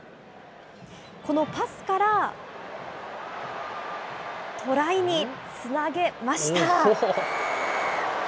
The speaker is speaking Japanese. このパスからトライにつなげました。